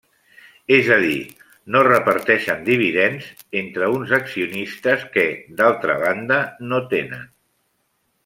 És a dir, no reparteixen dividends entre uns accionistes que, d'altra banda, no tenen.